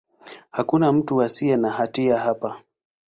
Hakuna mtu asiye na hatia hapa.